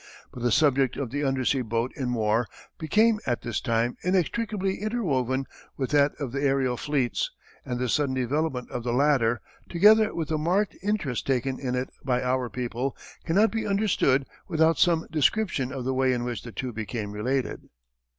But the subject of the undersea boat in war became at this time inextricably interwoven with that of the aërial fleets, and the sudden development of the latter, together with the marked interest taken in it by our people, cannot be understood without some description of the way in which the two became related.